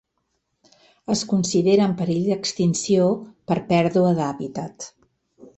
Es considera en perill d'extinció per pèrdua d'hàbitat.